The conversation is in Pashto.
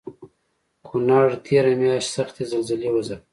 کونړ تېره مياشت سختې زلزلې وځپه